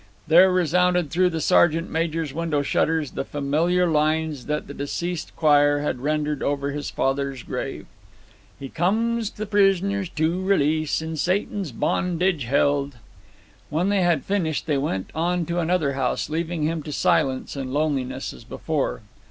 There resounded through the sergeant major's window shutters the familiar lines that the deceased choir had rendered over his father's grave: He comes' the pri' soners to' re lease', In Sa' tan's bon' dage held'. When they had finished they went on to another house, leaving him to silence and loneliness as before.